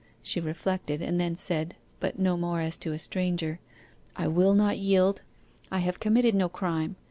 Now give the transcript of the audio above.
She reflected and then said, but no more as to a stranger, 'I will not yield. I have committed no crime.